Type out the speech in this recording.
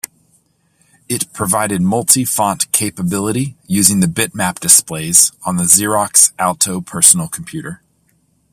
It provided multi-font capability using the bitmap displays on the Xerox Alto personal computer.